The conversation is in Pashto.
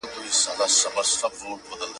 د سياست پوهني زده کړه د ذهن د پراخوالي لامل کيږي.